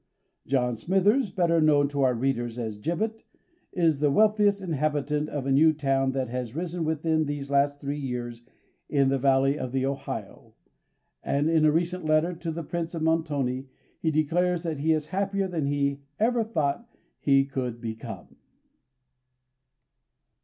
John Smithers, better known to our readers as Gibbet, is the wealthiest inhabitant of a new town that has risen within these last three years in the valley of the Ohio; and in a recent letter to the Prince of Montoni he declares that he is happier than he ever thought he could become.